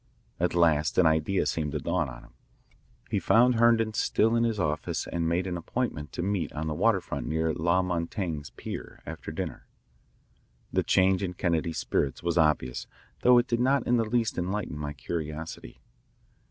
At last an idea seemed to dawn on him. He found Herndon still at his office and made an appointment to meet on the waterfront near La Montaigne's pier, after dinner. The change in Kennedy's spirits was obvious, though it did not in the least enlighten my curiosity.